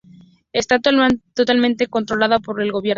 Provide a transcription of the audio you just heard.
Está totalmente controlada por el gobierno.